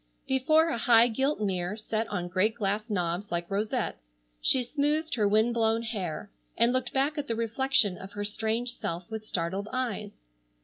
Before a high gilt mirror set on great glass knobs like rosettes, she smoothed her wind blown hair, and looked back at the reflection of her strange self with startled eyes.